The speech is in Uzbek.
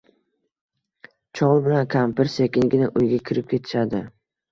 Chol bilan kampir sekingina uyga kirib ketishadi